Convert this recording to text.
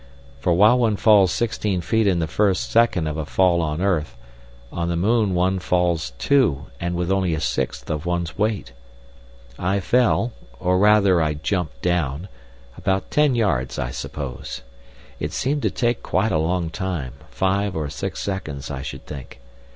For while one falls sixteen feet in the first second of a fall on earth, on the moon one falls two, and with only a sixth of one's weight. I fell, or rather I jumped down, about ten yards I suppose. It seemed to take quite a long time, five or six seconds, I should think.